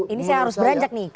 ini saya harus beranjak nih